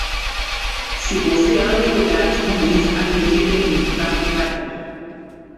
Se você anda em lugares ruins, acredite em mim, vá devagar.